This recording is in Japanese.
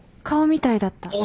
顔みたいだった。